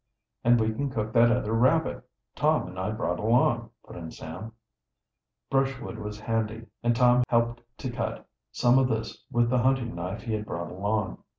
"And we can cook that other rabbit Tom and I brought along," put in Sam. Brushwood was handy, and Tom helped to cut some of this with the hunting knife he had brought along.